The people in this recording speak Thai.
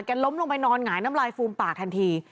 ล้มลงไปนอนหงายน้ำลายฟูมปากทันที